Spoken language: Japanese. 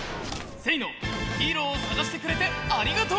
せいのヒーローをさがしてくれてありがとう！